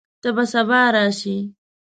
ته به سبا راشې؟